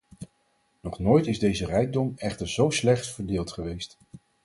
Nog nooit is deze rijkdom echter zo slecht verdeeld geweest.